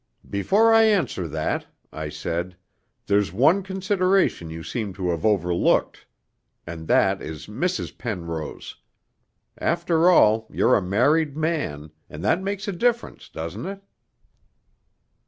'Before I answer that,' I said, 'there's one consideration you seem to have overlooked and that is Mrs. Penrose.... After all, you're a married man, and that makes a difference, doesn't it?'